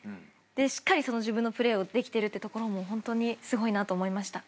しっかりその自分のプレーをできてるってところもホントにすごいなと思いました。